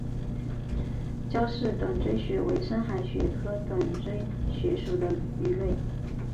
焦氏短稚鳕为深海鳕科短稚鳕属的鱼类。